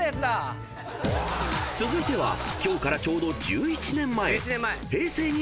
［続いては今日からちょうど１１年前］